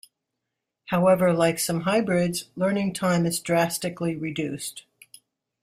However, like some hybrids, learning time is drastically reduced.